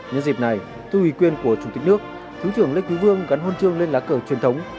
nhân dịp này tư ủy quyền của chủ tịch nước thứ trưởng lê quý vương gắn hôn trương lên lá cờ truyền thống